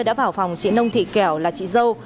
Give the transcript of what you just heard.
đã vào phòng chị nông thị kẹo là chị dâu